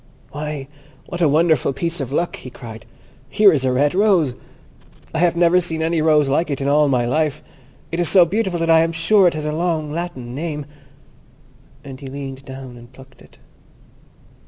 "Why, what a wonderful piece of luck!" he cried; "here is a red rose! I have never seen any rose like it in all my life. It is so beautiful that I am sure it has a long Latin name"; and he leaned down and plucked it.